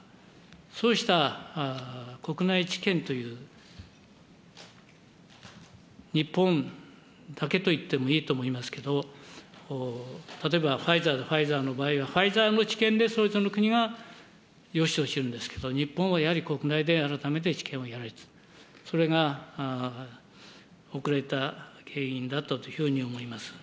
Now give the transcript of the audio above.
そうした国内治験という、日本だけといってもいいと思いますけれども、例えば、ファイザーならファイザーの場合は、ファイザーの治験でそれぞれの国がよしとしてるんですけど、日本はやはり国内で改めて治験をやると、それが遅れた原因だったというふうに思います。